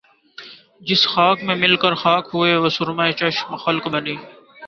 جس خاک میں مل کر خاک ہوئے وہ سرمۂ چشم خلق بنی